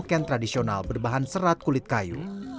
ikan tradisional berbahan serat kulit kayu